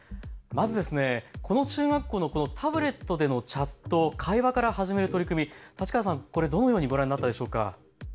まずこの中学校のタブレットでのチャット、会話から始める取り組み、どのようにご覧になりましたか。